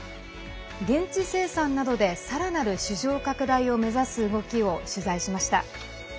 現地生産などでさらなる市場拡大を目指す動きを取材しました。